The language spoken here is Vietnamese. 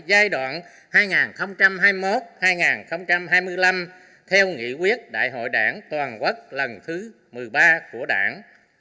giai đoạn hai nghìn hai mươi một hai nghìn hai mươi năm theo nghị quyết đại hội đảng toàn quốc lần thứ một mươi ba của đảng